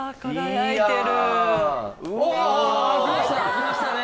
開きましたね。